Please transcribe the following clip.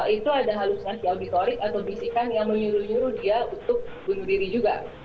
itu ada halus nasi aubitorik atau bisikan yang menyuruh nyuruh dia untuk bunuh diri juga